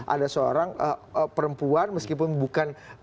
ada seorang perempuan meskipun bukan